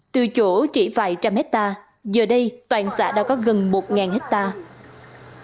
từ chỗ chỉ vài trăm hectare giờ đây toàn xã đã có gần một hectare